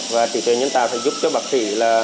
và trí tuệ nhân tạo sẽ giúp cho bác sĩ